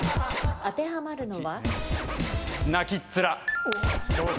当てはまるのは？